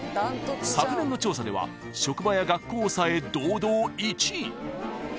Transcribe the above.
［昨年の調査では職場や学校をおさえ堂々１位］